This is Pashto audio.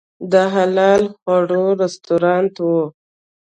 د حلال خواړو رستورانت و.